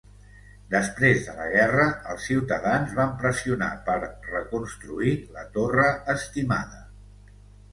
Després de la guerra, els ciutadans van pressionar per reconstruir la torre estimada.